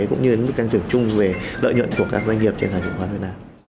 cũng như mức tăng trưởng chung về lợi nhuận của các doanh nghiệp trên hàng chứng khoán việt nam